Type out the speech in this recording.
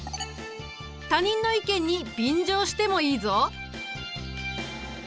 他人の意見に便乗してもいいぞ。